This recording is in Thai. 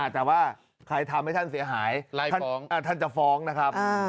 แต่ว่าใครทำให้ท่านเสียหายไล่ฟ้องท่านจะฟ้องนะครับ